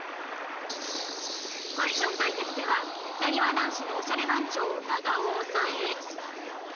ファッション対決ではなにわ男子のオシャレ番長長尾を抑え